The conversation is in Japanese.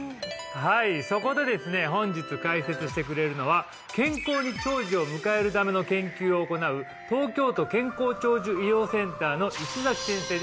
はいそこでですね本日解説してくれるのは健康に長寿を迎えるための研究を行う東京都健康長寿医療センターの石崎先生です